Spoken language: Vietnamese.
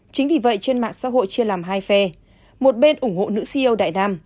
chính vì vậy trên mạng xã hội chia làm hai phe một bên ủng hộ nữ ceo đại nam